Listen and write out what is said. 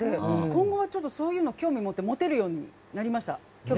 今後は、ちょっとそういうの興味持てるようになりました。